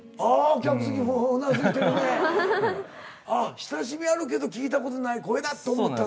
親しみあるけど聞いた事ない声だと思ったんだ。